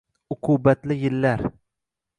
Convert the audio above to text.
Ukubatli yillar